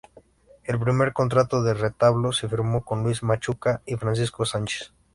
El primer contrato del retablo se firmó con Luis Machuca y Francisco Sánchez.